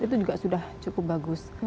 itu juga sudah cukup bagus